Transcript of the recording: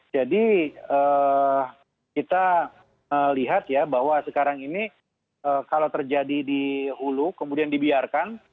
jadi kita lihat ya bahwa sekarang ini kalau terjadi di hulu kemudian dibiarkan